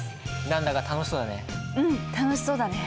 何だか楽しそうだね。